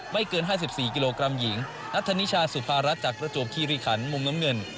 เกิน๕๔กิโลกรัมหญิงนัทธนิชาสุภารัฐจากประจวบคีริขันมุมน้ำเงิน